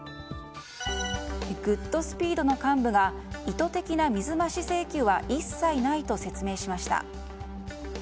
グッドスピードの幹部が意図的な水増し請求は一切ないと説明しました。